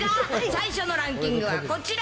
最初のランキングはこちら。